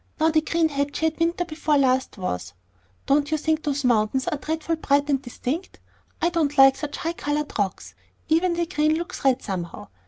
Now the green hat she had winter before last was Don't you think those mountains are dreadfully bright and distinct? I don't like such high colored rocks. Even the green looks red, somehow.